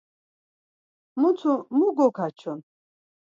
Mutu mu gokaçun?